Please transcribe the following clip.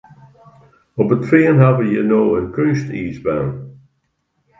Op it Fean ha we hjir no in keunstiisbaan.